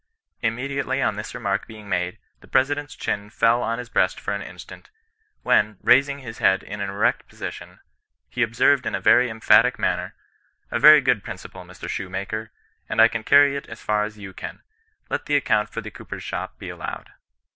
Immediately on this remark being made, the president's chin fell on his breast for an instant, when, raising his head in an erect posi tion, he observed in a very emphatic manner, ' A very good principle, Mr Shoemaker, and I can carry it as far as you can : let the account for the cooper's shop be allowed.'